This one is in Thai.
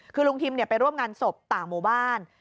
คือลุงทิมไปร่วมงานศพต่างหมู่บ้าน